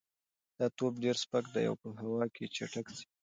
دا توپ ډېر سپک دی او په هوا کې چټک ځي.